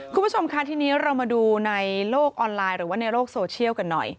คุณผู้ชมค่ะทีนี้เรามาดูในโลกออนไลน์หรือว่าในโลกโซเชียลกันหน่อย